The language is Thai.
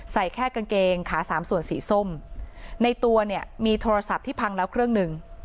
แค่กางเกงขาสามส่วนสีส้มในตัวเนี่ยมีโทรศัพท์ที่พังแล้วเครื่องหนึ่ง